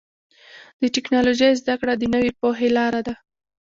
د ټکنالوجۍ زدهکړه د نوې پوهې لاره ده.